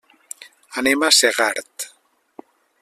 Anem a Segart.